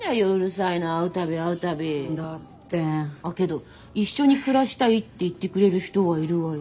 あけど一緒に暮らしたいって言ってくれる人はいるわよ。